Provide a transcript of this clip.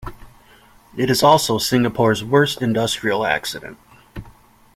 It is also Singapore's worst industrial accident.